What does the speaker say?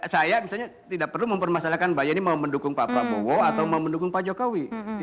saya misalnya tidak perlu mempermasalahkan mbak yeni mau mendukung pak prabowo atau mau mendukung pak jokowi